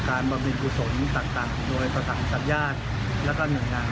ต่างท่านผู้ปรุงการโรงบารครั้งสองแห่ง